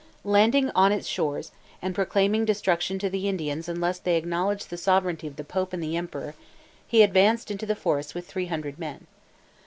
Landing on its shores, and proclaiming destruction to the Indians unless they acknowledged the sovereignty of the Pope and the Emperor, he advanced into the forests with three hundred men.